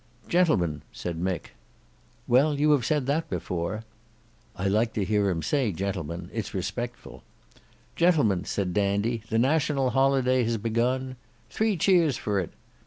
"Gentlemen," said Mick. "Well you have said that before." "I like to hear him say 'Gentlemen;' it's respectful." "Gentlemen," said the Dandy, "the National Holiday has begun—" "Three cheers for it!"